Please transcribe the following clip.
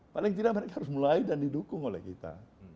paling tidak mereka harus mulai dan didukung oleh kita